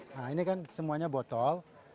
nah ini kan semuanya botol